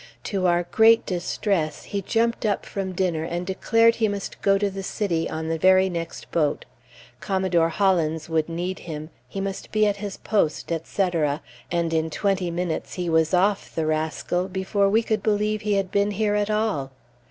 To our great distress, he jumped up from dinner, and declared he must go to the city on the very next boat. Commodore Hollins would need him, he must be at his post, etc., and in twenty minutes he was off, the rascal, before we could believe he had been here at all.